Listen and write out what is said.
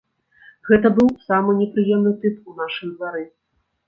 Гэта быў самы непрыемны тып у нашым двары.